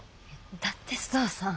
だって須藤さん。